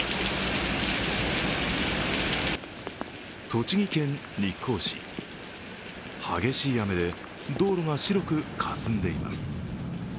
栃木県日光市、激しい雨で道路が白くかすんでいます。